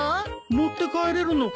持って帰れるのかい？